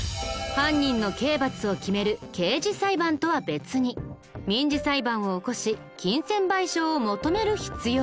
犯人の刑罰を決める刑事裁判とは別に民事裁判を起こし金銭賠償を求める必要が。